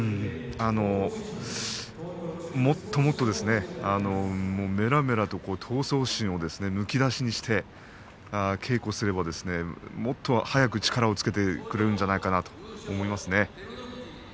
もっともっとめらめらと闘争心をむき出しにして稽古をすればもっと早く力をつけてくれるんじゃないかなと思いますね。